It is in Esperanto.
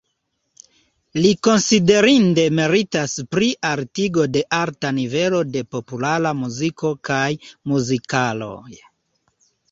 Li konsiderinde meritas pri altigo de arta nivelo de populara muziko kaj muzikaloj.